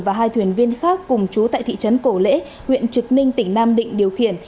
và hai thuyền viên khác cùng chú tại thị trấn cổ lễ huyện trực ninh tỉnh nam định điều khiển